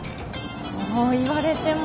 そう言われても。